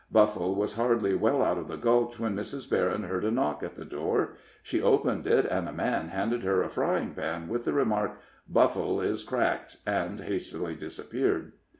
Buffle was hardly well out of the Gulch when Mrs. Berryn heard a knock at the door; she opened it, and a man handed her a frying pan, with the remark, "Buffle is cracked," and hastily disappeared.